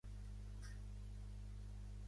A quina hora arriba l'autobús d'Altura?